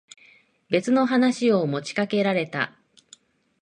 別の話を持ちかけられた。